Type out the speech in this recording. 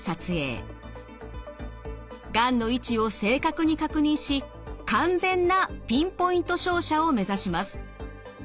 がんの位置を正確に確認し完全なピンポイント照射を目指します。